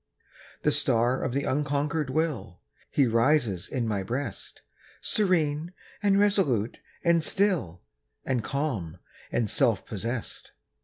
The star of the unconquered will, He rises in my breast, Serene, and resolute, and still, And calm, and self possessed.